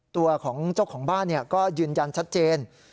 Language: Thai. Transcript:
ตัวของเจ้าของบ้านก็ยืนยันชัดเจน